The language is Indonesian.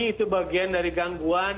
itu bagian dari gangguan